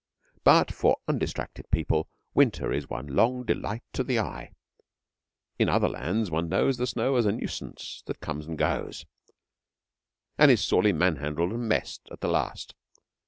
But for undistracted people winter is one long delight of the eye. In other lands one knows the snow as a nuisance that comes and goes, and is sorely man handled and messed at the last.